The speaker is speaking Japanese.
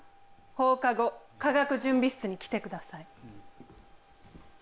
放課後化学準備室に来てください。